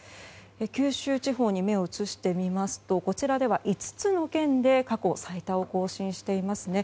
九州地方に目を移してみますとこちらでは５つの県で過去最多を更新していますね。